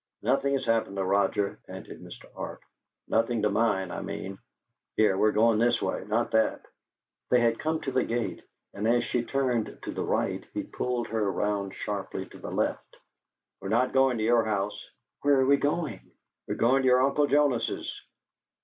"Nothing has happened to Roger," panted Mr. Arp. "Nothing to mind, I mean. Here! We're going this way, not that." They had come to the gate, and as she turned to the right he pulled her round sharply to the left. "We're not going to your house." "Where are we going?" "We're going to your uncle Jonas's."